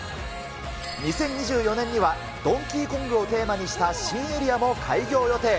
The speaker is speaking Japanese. ２０２４年には、ドンキーコングをテーマにした新エリアも開業予定。